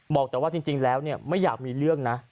บอกว่าจริงแล้วไม่อยากมีเรื่องนะ